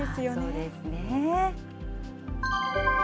そうですね。